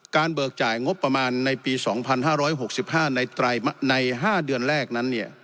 เบิกจ่ายงบประมาณในปี๒๕๖๕ใน๕เดือนแรกนั้น